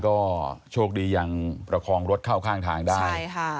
ก็โชคดีอย่างประคองรถเข้าข้างทางได้